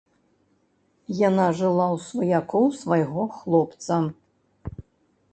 Яна жыла ў сваякоў свайго хлопца.